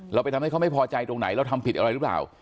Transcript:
เราไปทำให้เขาไม่พอใจตรงไหนเราทำผิดอะไรหรือเปล่า